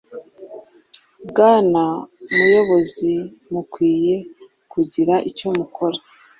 bwana muyobozi mukwiye kugira icyo mukora